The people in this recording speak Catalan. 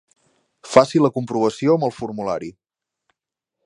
Faci la comprovació amb el formulari.